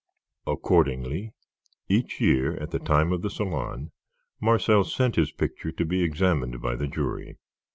Accordingly, each year, at the time of the Salon, Marcel sent his picture to be examined by the jury.